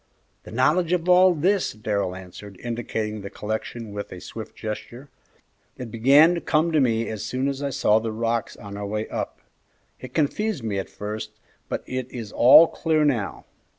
"The knowledge of all this," Darrell answered, indicating the collection with a swift gesture; "it began to come to me as soon as I saw the rocks on our way up; it confused me at first, but it is all clear now.